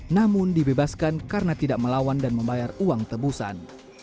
namun dibebaskan karena tidak melawan dan membayar uang tebusan